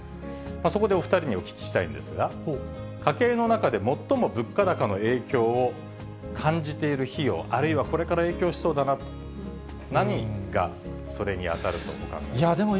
そこでお２人にお聞きしたいんですが、家計の中で最も物価高の影響を感じている費用、あるいはこれから影響しそうだな、何がそれに当たるとお考えですか。